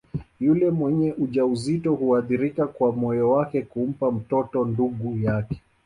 Yule mwenye ujauzito huridhika kwa moyo wake kumpa mtoto ndugu yake